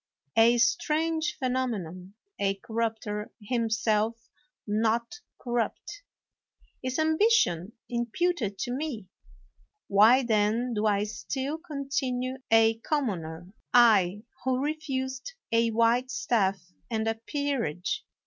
A strange phenomenon, a corrupter himself not corrupt! Is ambition imputed to me ? Why then do I still continue a commoner ?— I, who refused a white staff and a peerage.